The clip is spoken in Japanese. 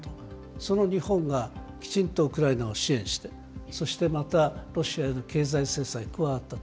その日本がきちんとウクライナを支援して、そしてまた、ロシアへの経済制裁に加わったと。